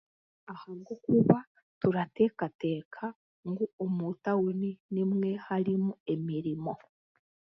Ahabwokuba turateekateeka ngu omu tahuni niho harimu emirimo.